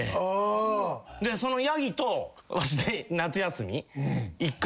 そのヤギとわしで夏休み。